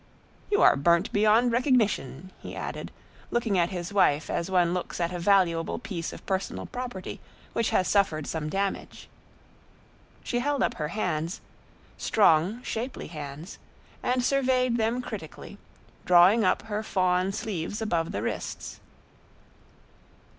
"You are burnt beyond recognition," he added, looking at his wife as one looks at a valuable piece of personal property which has suffered some damage. She held up her hands, strong, shapely hands, and surveyed them critically, drawing up her fawn sleeves above the wrists.